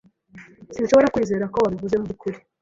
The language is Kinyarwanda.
Sinshobora kwizera ko wabivuze mubyukuri